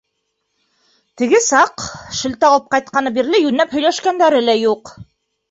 Теге саҡ шелтә алып ҡайтҡаны бирле йүнләп һөйләшкәндәре лә юҡ.